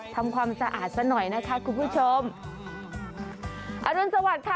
ทำความสะอาดซะหน่อยนะคะคุณผู้ชมอรุณสวัสดิ์ค่ะ